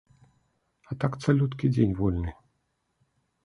А так цалюткі дзень вольны.